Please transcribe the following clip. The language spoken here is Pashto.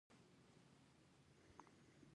د انسان غوږ درې برخې لري: بهرنی، منځنی او داخلي.